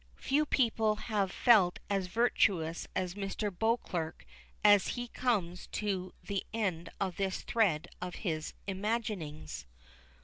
Few people have felt as virtuous as Mr. Beauclerk as he comes to the end of this thread of his imaginings.